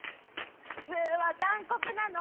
普通は残酷なの！